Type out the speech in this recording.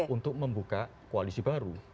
untuk membuka koalisi baru